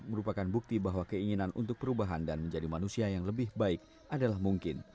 merupakan bukti bahwa keinginan untuk perubahan dan menjadi manusia yang lebih baik adalah mungkin